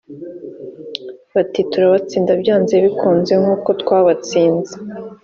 bati “turabatsinda byanze bikunze nk’uko twabatsinze”